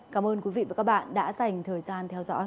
cảm ơn quý vị và các bạn đã dành thời gian theo dõi